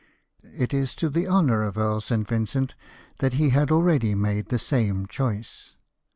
It is to the honour of Earl St. Vincent that he had already made the same choice.